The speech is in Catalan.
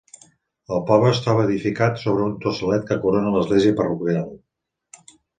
El poble es troba edificat sobre un tossalet que corona l'església parroquial.